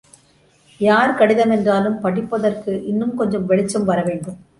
யார் கடிதமென்றாலும் படிப்பதற்கு இன்னும் கொஞ்சம் வெளிச்சம் வர வேண்டும்.